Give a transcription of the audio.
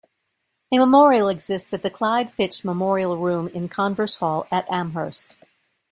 A memorial exists at the Clyde Fitch Memorial Room in Converse Hall at Amherst.